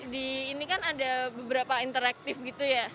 di ini kan ada beberapa interaktif gitu ya